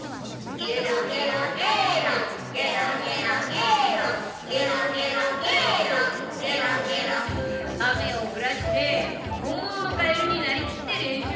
「ゲロゲロゲーロゲロゲロゲーロゲロゲロゲーロ」雨をふらして本物のカエルになりきって練習しようと思ってさ。